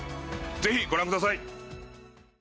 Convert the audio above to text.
ぜひご覧ください。